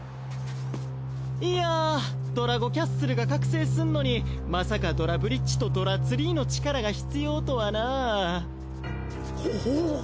いやドラゴキャッスルが覚醒すんのにまさかドラブリッジとドラツリーの力が必要とはなぁホホッ！